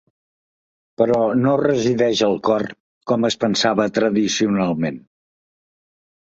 Però no resideix al cor, com es pensava tradicionalment.